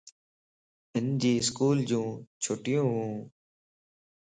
ھنجي اسڪولَ جون چھٽيون وَن